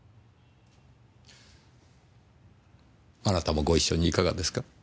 あなたもご一緒にいかがですか？